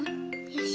よし！